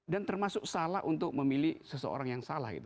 dan termasuk salah untuk memilih seseorang yang salah